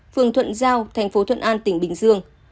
phường thuận giao thành phố thuận an tỉnh bình dương